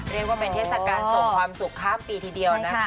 เรียกว่าเป็นเทศกาลส่งความสุขข้ามปีทีเดียวนะคะ